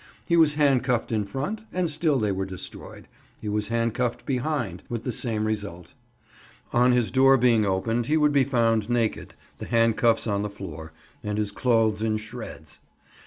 He was handcuffed in front, and still they were destroyed. He was handcuffed behind with the same result. On his door being opened he would be found naked, the handcuffs on the floor, and his clothes in shreds.